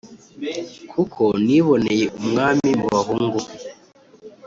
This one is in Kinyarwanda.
kuko niboneye umwami mu bahungu be.